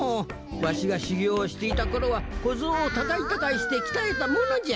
わしがしゅぎょうしていたころはこゾウをたかいたかいしてきたえたものじゃ。